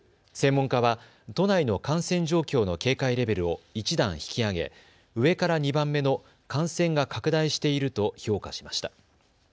専門家は都内の感染状況の警戒レベルを１段引き上げ上から２番目の感染が拡大していると評価しました。